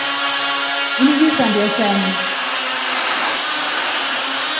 Ini ngilisambia chamu.